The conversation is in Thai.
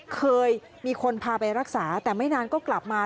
เคยมีคนพาไปรักษาแต่ไม่นานก็กลับมา